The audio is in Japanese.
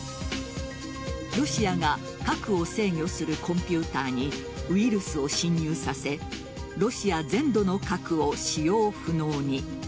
ロシアが核を制御するコンピューターにウイルスを侵入させロシア全土の核を使用不能に。